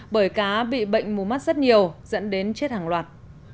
bởi cá bị bệnh mù mắt rất nhiều dẫn đến chết hàng loạt